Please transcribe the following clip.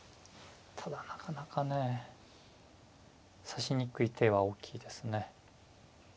ただなかなかね指しにくい手は大きいですね。